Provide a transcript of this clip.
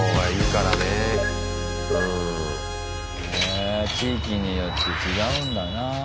へ地域によって違うんだなぁ。